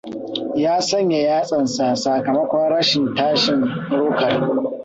Ya sanya yatsansa sakamakon rashin tashin rokar.